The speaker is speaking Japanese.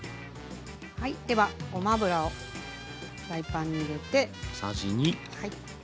はいではごま油をフライパンに入れて。